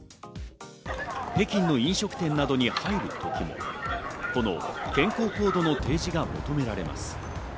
北京の飲食店などに入るときもこの健康コードの提示が求められます。